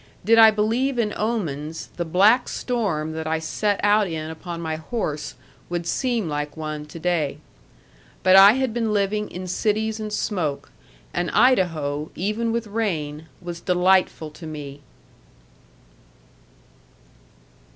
Did I believe in omens, the black storm that I set out in upon my horse would seem like one to day. But I had been living in cities and smoke; and Idaho, even with rain, was delightful to me.